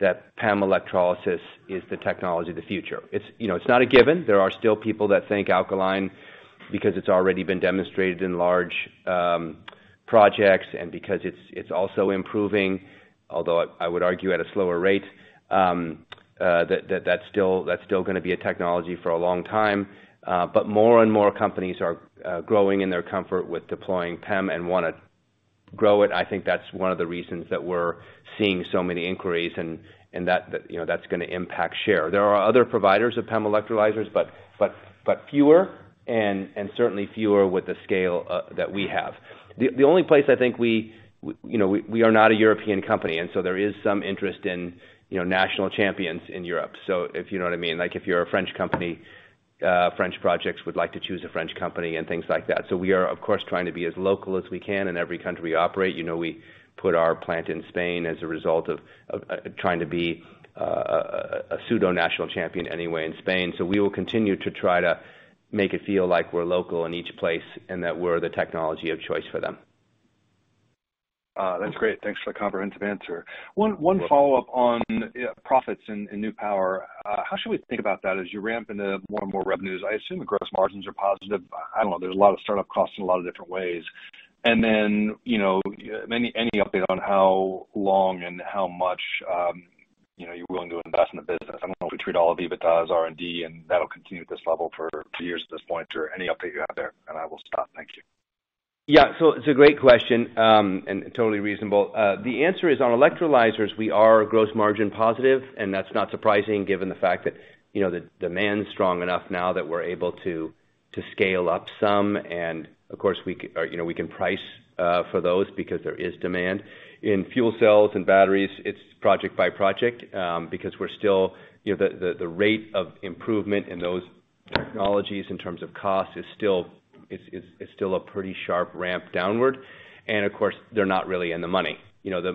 that PEM electrolysis is the technology of the future. It's, you know, it's not a given. There are still people that think alkaline because it's already been demonstrated in large projects and because it's also improving, although I would argue at a slower rate, that that's still gonna be a technology for a long time. More and more companies are growing in their comfort with deploying PEM and wanna grow it. I think that's one of the reasons that we're seeing so many inquiries and that you know that's gonna impact share. There are other providers of PEM electrolyzers, but fewer and certainly fewer with the scale that we have. The only place I think we you know we are not a European company, and so there is some interest in you know national champions in Europe. If you know what I mean, like, if you're a French company, French projects would like to choose a French company and things like that. We are, of course, trying to be as local as we can in every country we operate. You know, we put our plant in Spain as a result of trying to be a pseudo national champion anyway in Spain. We will continue to try to make it feel like we're local in each place and that we're the technology of choice for them. That's great. Thanks for the comprehensive answer. One follow-up on profits and new power. How should we think about that as you ramp into more and more revenues? I assume the gross margins are positive. I don't know, there's a lot of startup costs in a lot of different ways. You know, any update on how long and how much, you know, you're willing to invest in the business? I don't know if we treat all of EBITDA as R&D, and that'll continue at this level for two years at this point, or any update you have there, and I will stop. Thank you. Yeah. It's a great question, and totally reasonable. The answer is on electrolyzers, we are gross margin positive, and that's not surprising given the fact that, you know, the demand's strong enough now that we're able to scale up some. Of course, or, you know, we can price for those because there is demand. In fuel cells and batteries, it's project by project, because we're still, you know, the rate of improvement in those technologies in terms of cost is still a pretty sharp ramp downward. Of course, they're not really in the money. You know,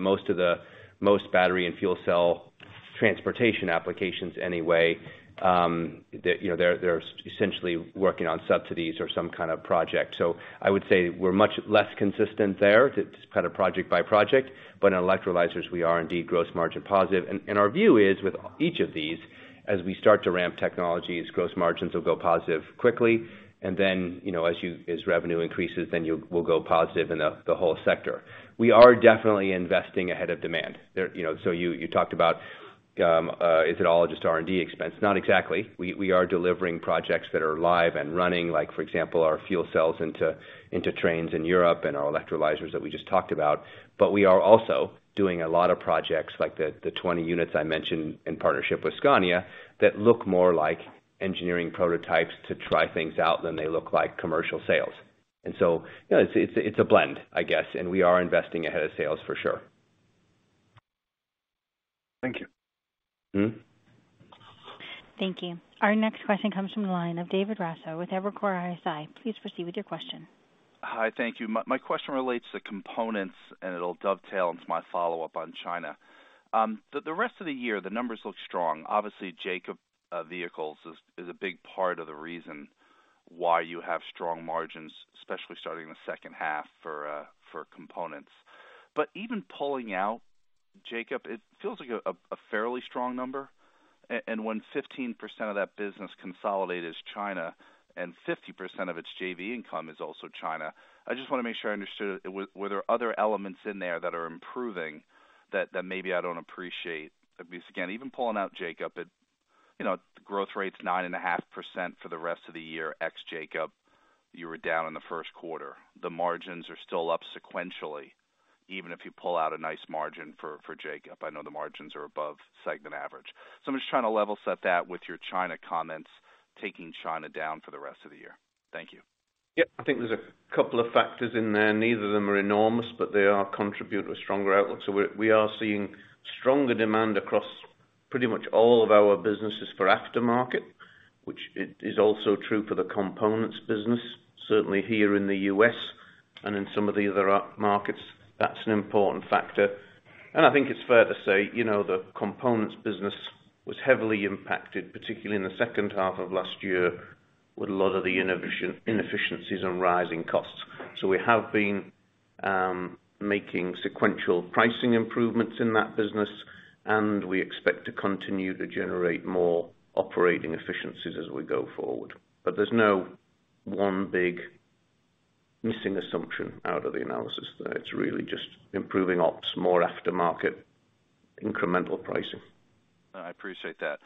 most battery and fuel cell transportation applications anyway, they, you know, they're essentially working on subsidies or some kind of project. I would say we're much less consistent there. It's kind of project by project. In electrolyzers, we are indeed gross margin positive. Our view is, with each of these, as we start to ramp technologies, gross margins will go positive quickly. You know, as revenue increases, we'll go positive in the whole sector. We are definitely investing ahead of demand. You know, you talked about, is it all just R&D expense? Not exactly. We are delivering projects that are live and running, like for example, our fuel cells into trains in Europe and our electrolyzers that we just talked about. We are also doing a lot of projects like the 20 units I mentioned in partnership with Scania that look more like engineering prototypes to try things out than they look like commercial sales. You know, it's a blend, I guess, and we are investing ahead of sales for sure. Thank you. Mm-hmm. Thank you. Our next question comes from the line of David Raso with Evercore ISI. Please proceed with your question. Hi. Thank you. My question relates to components, and it'll dovetail into my follow-up on China. The rest of the year, the numbers look strong. Obviously, Jacobs Vehicle Systems is a big part of the reason why you have strong margins, especially starting in the second half for components. But even pulling out Jacobs, it feels like a fairly strong number. And when 15% of that business consolidated is China and 50% of its JV income is also China. I just wanna make sure I understood it. Were there other elements in there that are improving that maybe I don't appreciate? Because again, even pulling out Jacobs, you know, the growth rate's 9.5% for the rest of the year, ex Jacobs. You were down in the first quarter. The margins are still up sequentially, even if you pull out a nice margin for Jacobs. I know the margins are above segment average. I'm just trying to level set that with your China comments, taking China down for the rest of the year. Thank you. Yeah. I think there's a couple of factors in there. Neither of them are enormous, but they are contributing to the stronger outlook. We are seeing stronger demand across pretty much all of our businesses for aftermarket, which is also true for the components business, certainly here in the US and in some of the other markets. That's an important factor. I think it's fair to say, you know, the components business was heavily impacted, particularly in the second half of last year, with a lot of the inefficiencies on rising costs. We have been making sequential pricing improvements in that business, and we expect to continue to generate more operating efficiencies as we go forward. There's no one big missing assumption out of the analysis there. It's really just improving ops, more aftermarket incremental pricing. I appreciate that.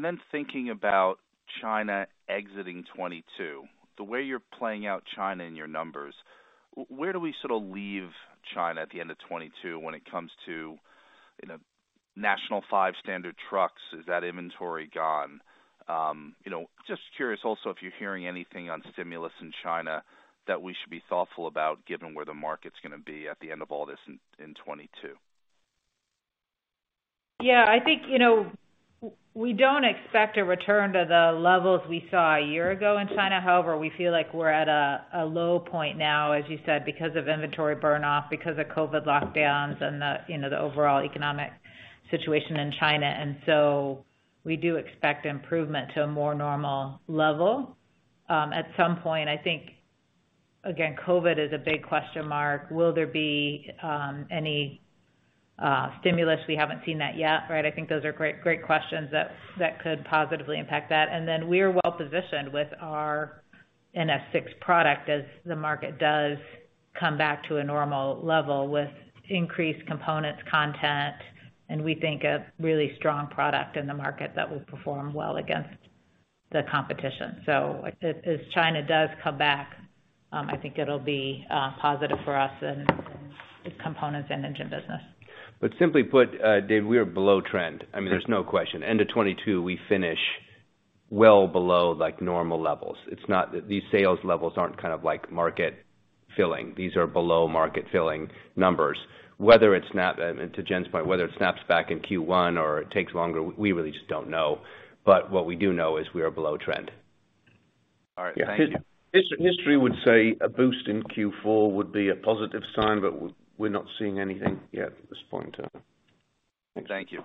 Then thinking about China exiting 2022, the way you're playing out China in your numbers, where do we sort of leave China at the end of 2022 when it comes to, you know, national five standard trucks? Is that inventory gone? You know, just curious also if you're hearing anything on stimulus in China that we should be thoughtful about given where the market's gonna be at the end of all this in 2022. Yeah. I think, you know, we don't expect a return to the levels we saw a year ago in China. However, we feel like we're at a low point now, as you said, because of inventory burn off, because of COVID lockdowns and the, you know, the overall economic situation in China. We do expect improvement to a more normal level. At some point, I think, again, COVID is a big question mark. Will there be any Stimulus, we haven't seen that yet, right? I think those are great questions that could positively impact that. Then we're well positioned with our NS VI product as the market does come back to a normal level with increased components content, and we think a really strong product in the market that will perform well against the competition. As China does come back, I think it'll be positive for us in its components and engine business. Simply put, David, we are below trend. I mean, there's no question. End of 2022, we finish well below, like, normal levels. It's not that these sales levels aren't kind of like market filling. These are below market filling numbers. To Jennifer's point, whether it snaps back in Q1 or it takes longer, we really just don't know. What we do know is we are below trend. All right. Thank you. History would say a boost in Q4 would be a positive sign, but we're not seeing anything yet at this point in time. Thank you.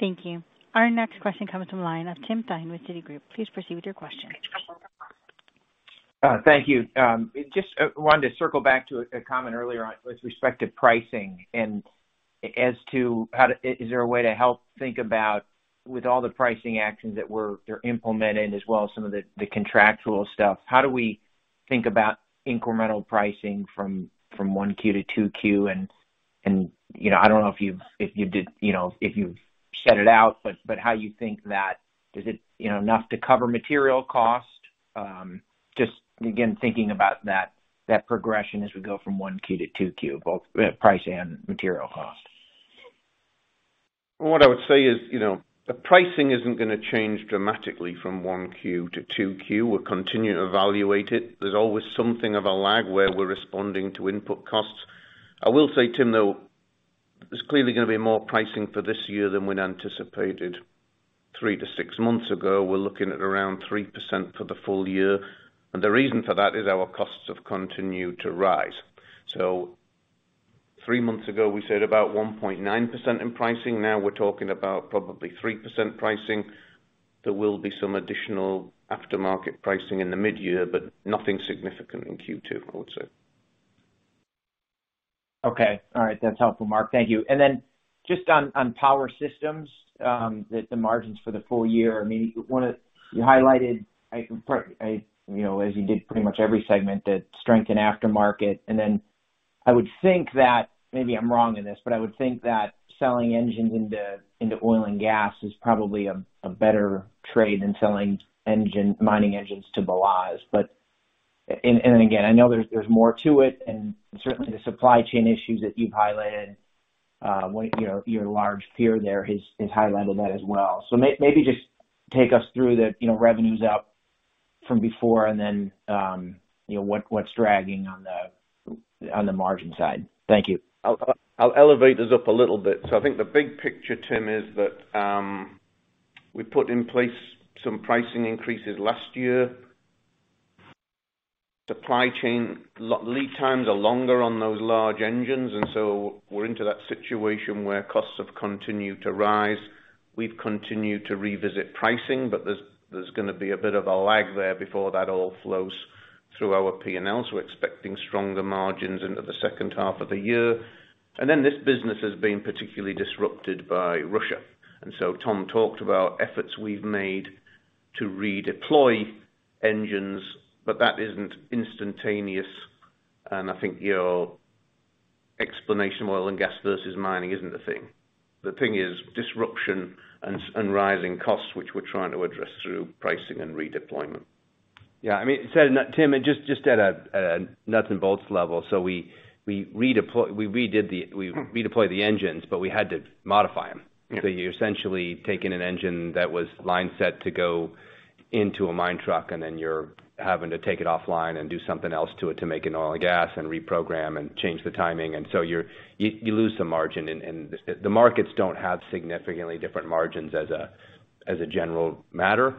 Thank you. Our next question comes from the line of Tim Thein with Citigroup. Please proceed with your question. Thank you. Just wanted to circle back to a comment earlier on with respect to pricing. Is there a way to help think about with all the pricing actions that you're implementing as well as some of the contractual stuff, how do we think about incremental pricing from one Q to two Q? You know, I don't know if you did, you know, if you've shut it out, but is it, you know, enough to cover material cost? Just again, thinking about that progression as we go from one Q to two Q, both price and material cost. What I would say is, you know, the pricing isn't gonna change dramatically from Q1 to Q2. We'll continue to evaluate it. There's always something of a lag where we're responding to input costs. I will say, Tim, though, there's clearly gonna be more pricing for this year than we'd anticipated three to six months ago. We're looking at around 3% for the full year, and the reason for that is our costs have continued to rise. Three months ago, we said about 1.9% in pricing. Now we're talking about probably 3% pricing. There will be some additional aftermarket pricing in the midyear, but nothing significant in Q2, I would say. Okay. All right. That's helpful, Mark. Thank you. Then just on power systems, the margins for the full year, I mean, you highlighted. You know, as you did pretty much every segment that strengthened aftermarket. I would think that, maybe I'm wrong in this, but I would think that selling engines into oil and gas is probably a better trade than selling mining engines to BelAZ. Again, I know there's more to it, and certainly the supply chain issues that you've highlighted when your large peer there has highlighted that as well. Maybe just take us through the revenues up from before and then, you know, what's dragging on the margin side. Thank you. I'll elevate us up a little bit. I think the big picture, Tim, is that we put in place some pricing increases last year. Supply chain lead times are longer on those large engines, and so we're into that situation where costs have continued to rise. We've continued to revisit pricing, but there's gonna be a bit of a lag there before that all flows through our P&Ls. We're expecting stronger margins into the second half of the year. This business has been particularly disrupted by Russia. Tom talked about efforts we've made to redeploy engines, but that isn't instantaneous. I think your explanation of oil and gas versus mining isn't the thing. The thing is disruption and rising costs, which we're trying to address through pricing and redeployment. Yeah. I mean, Tim, just at a nuts and bolts level. We redeployed the engines, but we had to modify them. You're essentially taking an engine that was line set to go into a mine truck, and then you're having to take it offline and do something else to it to make it oil and gas and reprogram and change the timing. You lose some margin and the markets don't have significantly different margins as a general matter.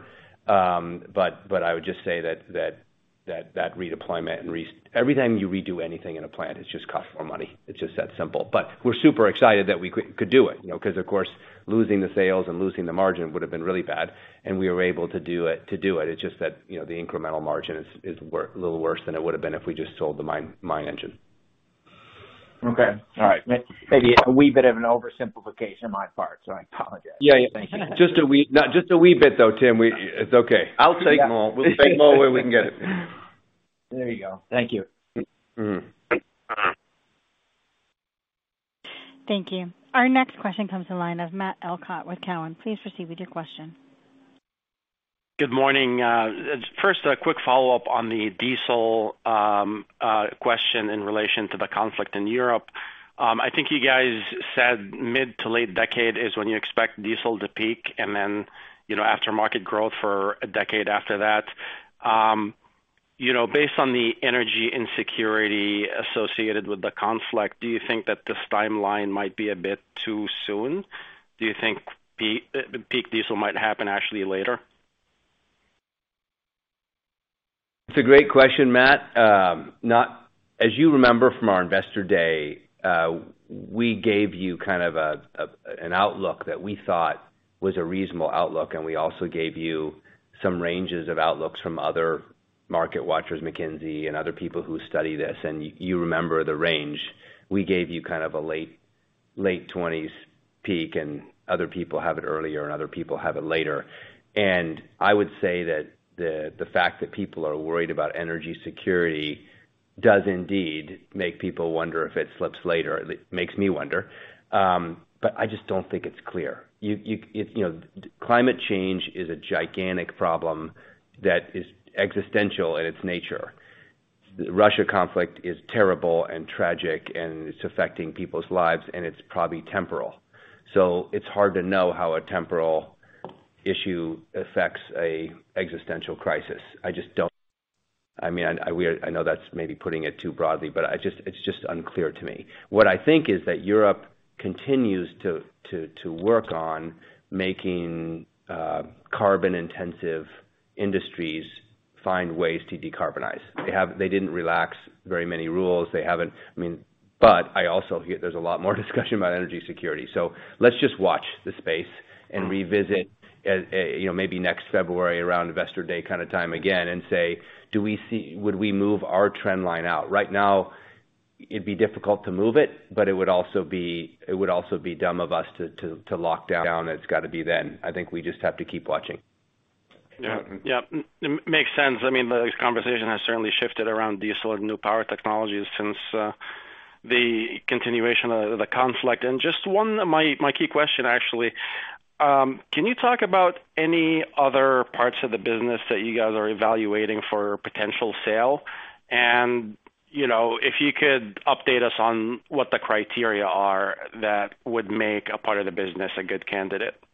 But I would just say that redeployment. Every time you redo anything in a plant, it just costs more money. It's just that simple. We're super excited that we could do it, you know, because of course, losing the sales and losing the margin would have been really bad, and we were able to do it. It's just that, you know, the incremental margin is a little worse than it would have been if we just sold the main engine. Okay. All right. Maybe a wee bit of an oversimplification on my part, so I apologize. Yeah. Yeah. Thank you. Just a wee, not just a wee bit, though, Tim. It's okay. I'll take more. We'll take more where we can get it. There you go. Thank you. Mm. Thank you. Our next question comes to the line of Matt Elkott with TD Cowen. Please proceed with your question. Good morning. First, a quick follow-up on the diesel question in relation to the conflict in Europe. I think you guys said mid to late decade is when you expect diesel to peak and then, you know, after market growth for a decade after that. You know, based on the energy insecurity associated with the conflict, do you think that this timeline might be a bit too soon? Do you think peak diesel might happen actually later? It's a great question, Matt. As you remember from our Investor Day, we gave you kind of an outlook that we thought was a reasonable outlook, and we also gave you some ranges of outlooks from other market watchers, McKinsey and other people who study this, and you remember the range. We gave you kind of a late twenties peak, and other people have it earlier and other people have it later. I would say that the fact that people are worried about energy security does indeed make people wonder if it slips later. It makes me wonder. I just don't think it's clear. You, if you know, climate change is a gigantic problem that is existential in its nature. The Russia conflict is terrible and tragic, and it's affecting people's lives, and it's probably temporal. It's hard to know how a temporal issue affects an existential crisis. I just don't. I mean, I know that's maybe putting it too broadly, but it's just unclear to me. What I think is that Europe continues to work on making carbon-intensive industries find ways to decarbonize. They didn't relax very many rules. I mean, but I also hear there's a lot more discussion about energy security. Let's just watch this space and revisit at maybe next February around Investor Day kind of time again and say, Would we move our trend line out? Right now, it'd be difficult to move it, but it would also be dumb of us to lock down. It's gotta be then. I think we just have to keep watching. Yeah. Yeah. Makes sense. I mean, the conversation has certainly shifted around these sort of new power technologies since the continuation of the conflict. Just one of my key question actually, can you talk about any other parts of the business that you guys are evaluating for potential sale? You know, if you could update us on what the criteria are that would make a part of the business a good candidate. Yeah.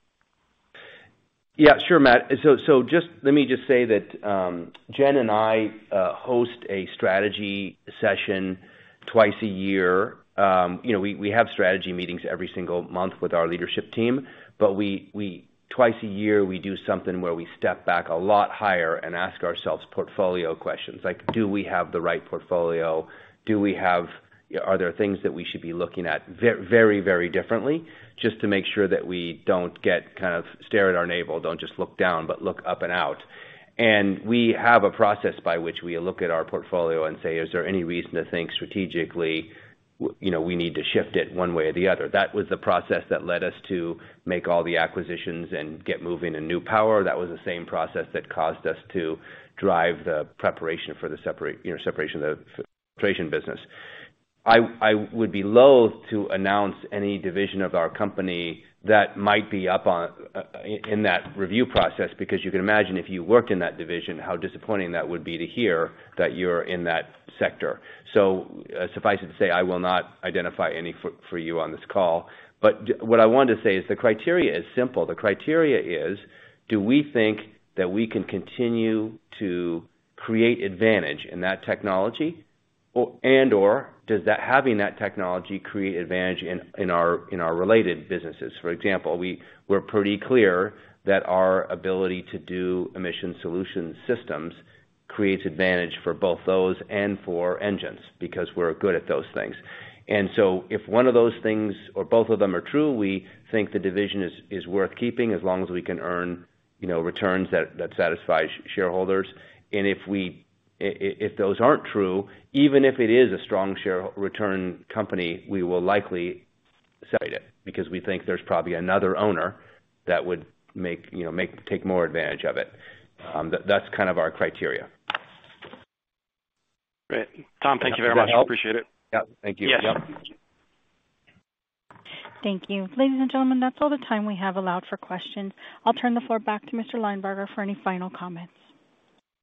Sure, Matt. Just let me say that, Jen and I host a strategy session twice a year. You know, we have strategy meetings every single month with our leadership team, but twice a year, we do something where we step back a lot higher and ask ourselves portfolio questions like, Do we have the right portfolio? Are there things that we should be looking at very, very differently? Just to make sure that we don't get kind of stare at our navel. Don't just look down, but look up and out. We have a process by which we look at our portfolio and say, Is there any reason to think strategically, you know, we need to shift it one way or the other? That was the process that led us to make all the acquisitions and get moving in new power. That was the same process that caused us to drive the preparation for the separation, you know, the separation business. I would be loath to announce any division of our company that might be up on in that review process, because you can imagine if you worked in that division, how disappointing that would be to hear that you're in that sector. Suffice it to say, I will not identify any for you on this call. What I wanted to say is the criteria is simple. The criteria is, do we think that we can continue to create advantage in that technology or and/or does that having that technology create advantage in our related businesses? For example, we were pretty clear that our ability to do emission solution systems creates advantage for both those and for engines because we're good at those things. If one of those things or both of them are true, we think the division is worth keeping as long as we can earn, you know, returns that satisfy shareholders. If those aren't true, even if it is a strong shareholder return company, we will likely sell it because we think there's probably another owner that would make, you know, take more advantage of it. That's kind of our criteria. Great. Tom, thank you very much. Does that help? Appreciate it. Yeah. Thank you. Yes. Yep. Thank you. Ladies and gentlemen, that's all the time we have allowed for questions. I'll turn the floor back to Mr. Linebarger for any final comments.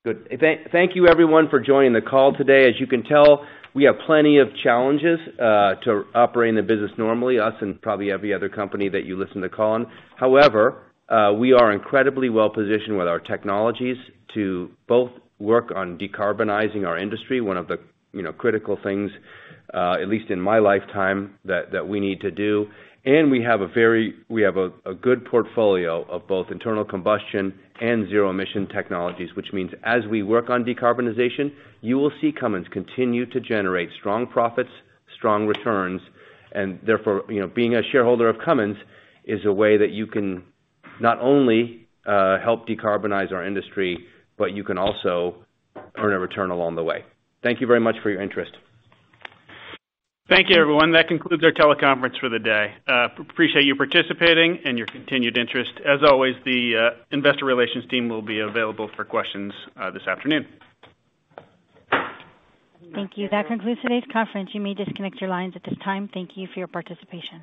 Good. Thank you everyone for joining the call today. As you can tell, we have plenty of challenges to operating the business normally, us and probably every other company that you listen to call on. However, we are incredibly well-positioned with our technologies to both work on decarbonizing our industry, one of the, you know, critical things, at least in my lifetime that we need to do. We have a good portfolio of both internal combustion and zero emission technologies, which means as we work on decarbonization, you will see Cummins continue to generate strong profits, strong returns, and therefore, you know, being a shareholder of Cummins is a way that you can not only help decarbonize our industry, but you can also earn a return along the way. Thank you very much for your interest. Thank you everyone. That concludes our teleconference for the day. Appreciate you participating and your continued interest. As always, the investor relations team will be available for questions this afternoon. Thank you. That concludes today's conference. You may disconnect your lines at this time. Thank you for your participation.